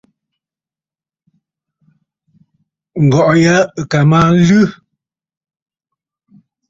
Ǹgɔ̀ʼɔ̀ ya ɨ̀ kà mə aa nlɨ.